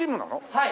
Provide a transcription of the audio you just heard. はい。